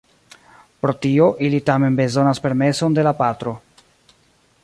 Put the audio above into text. Por tio ili tamen bezonas permeson de la patro.